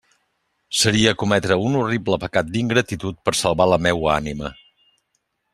Seria cometre un horrible pecat d'ingratitud per salvar la meua ànima.